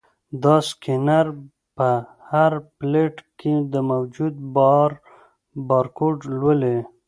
دا سکینر په هر پلیټ کې د موجود بار بارکوډ لولي.